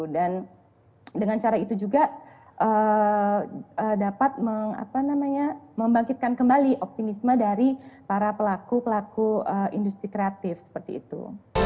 dengan cara itu juga dapat membangkitkan kembali optimisme dari para pelaku pelaku industri kreatif seperti itu